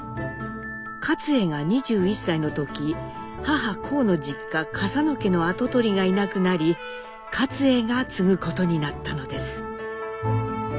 勝衛が２１歳の時母こうの実家「笠野家」の跡取りがいなくなり勝衛が継ぐことになったのです。